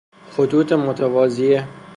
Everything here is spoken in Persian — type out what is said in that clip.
خطوط متوازیه